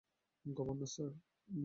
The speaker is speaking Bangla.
Governor, sir.